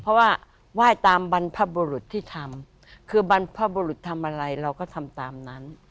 เพราะว่าไหว้ตามบรรพบุรุษที่ทำคือบรรพบุรุษทำอะไรเราก็ทำตามนั้น